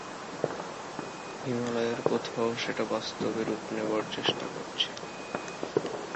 হিমালয়ের কোথাও সেটা বাস্তবে রূপ নেবার চেষ্টা করছে।